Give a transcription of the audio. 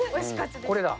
これだ。